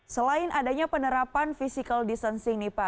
selain adanya penerapan physical distancing nih pak